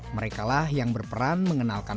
mereka lah yang berperan mengenalkan